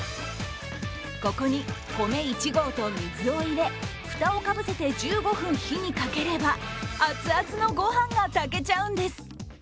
ここに米１合と水を入れ、蓋をかぶせて１５分、火にかければ熱々のご飯が炊けちゃうんです。